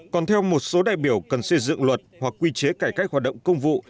còn theo một số đại biểu cần xây dựng luật hoặc quy chế cải cách hoạt động công vụ